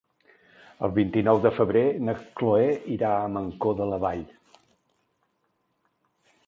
El vint-i-nou de febrer na Chloé irà a Mancor de la Vall.